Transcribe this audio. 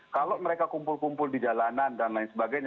kalau mereka kumpul kumpul di jalanan dan lain sebagainya